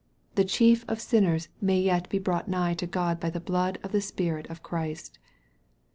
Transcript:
The chief of sinners may yet be brought nigh to Grod by the. blood and Spirit of Christ.